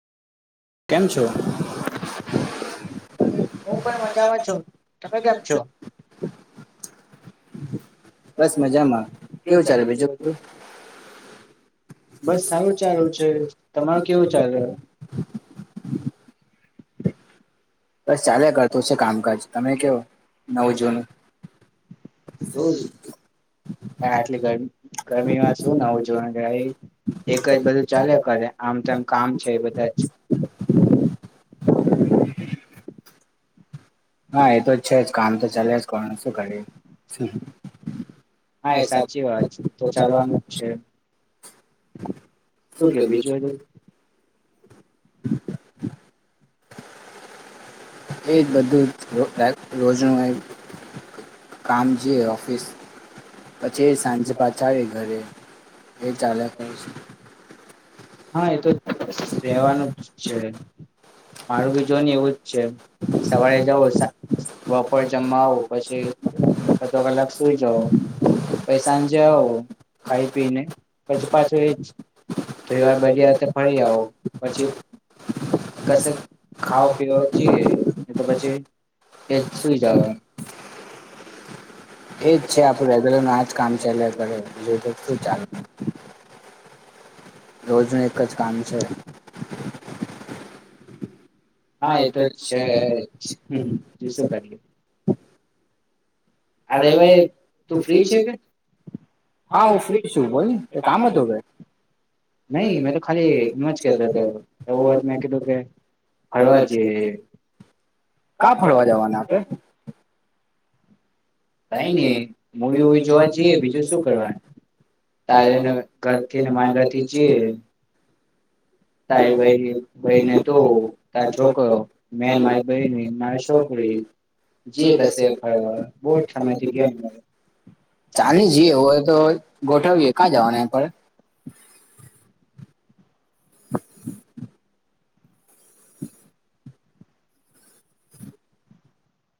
કેમ છો? હું પણ મજામાં છું. તમે કેમ છો? બસ મજામાં. કેવું ચાલે બીજું બધું? બસ સારું ચાલું છે. તમારું કેવું ચાલે? [inaudible] બસ ચાલ્યા કરતું છે કામકાજ. તમે કવો નવ જૂનું? હમ હા આટલી ગર ગરમીમાં શું નવું જૂનું ભાઈ. એક જ બધું ચાલ્યા કરે આમ તેમ કામ છે એ બધા જ. હા એ તો છેજ છે જ કામ તો ચાલ્યા જ કરવાનું શું કરી. હા એ સાચી વાત એતો ચાલવાનું જ છે. શું કે બીજું બધું? એ જ બધું જ રોજનું એક કામ છે ઓફિસ પછી એ સાંજે પાછા આવી ઘરે એ ચાલે છે હા એ તો રહેવાનું જ છે મારું બી જો ને એવું જ છે સવારે જઉ બપોર જમવા આવું પછી અડધો કલાક સુઈ જાઓ પૈસા સાંજે આવો ખાઈ પીને પછી પાછું એ જ થોડી વાર બજાતે ફરી આવો પછી કશેક ખાવા પીવા જઈએ એ તો પછી એ સુઈ જવા એજ છે આપડું રેગ્યુલર આજ કામ ચાલયા કરે જો શું ચા રોજનું એક જ કામ છે. હા એતો છે જ શું કરીએ. આ રવિવારે તું ફ્રી છે હા હું ફ્રી છું બોલને કઈ કામ હતો કાઈ નહી મેં તો ખાલી મોજ કેતા વાત મે કીધું કે ફરવા જ ઇએ કા ફરવા જાઓ. થઈ ને મુવી બૂવી જોવા જઈએ બીજું શું કરવાનું તારેને ઘર થી ને મા ઘર થી જીએ [unintelligible] જી બસે બઉ સમય થઈ ગયો ને ચાલી જઈએ હોય તો ગોઠવીએ કાઈ જવાના એે